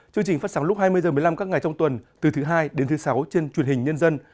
chương trình phát sóng lúc hai mươi h một mươi năm các ngày trong tuần từ thứ hai đến thứ sáu trên truyền hình nhân dân